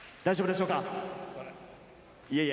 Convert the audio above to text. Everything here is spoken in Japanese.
大丈夫でしょうか？